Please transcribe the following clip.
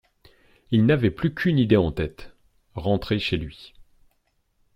Il n’avait plus qu’une idée en tête: rentrer chez lui.